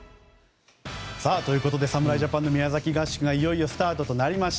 侍ジャパンの宮崎合宿がいよいよスタートとなりました。